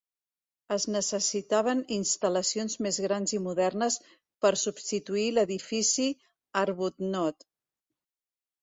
Es necessitaven instal·lacions més grans i modernes per substituir l'edifici Arbuthnot.